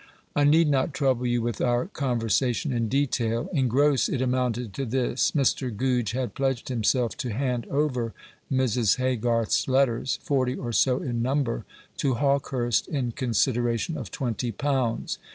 I need not trouble you with our conversation in detail. In gross it amounted to this: Mr. Goodge had pledged himself to hand over Mrs. Haygarth's letters, forty or so in number, to Hawkehurst in consideration of twenty pounds.